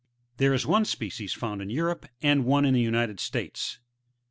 There is one species found in Europe, and one in the United States.